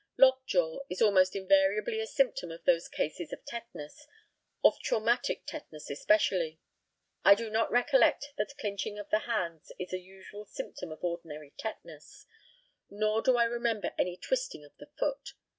Lock jaw is almost invariably a symptom of those cases of tetanus of traumatic tetanus especially. I do not recollect that clinching of the hands is a usual symptom of ordinary tetanus, nor do I remember any twisting of the foot.